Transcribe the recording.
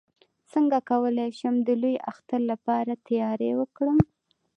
څنګه کولی شم د لوی اختر لپاره تیاری وکړم